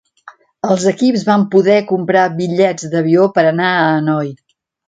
Els equips van poder comprar bitllets d'avió per anar a Hanoi.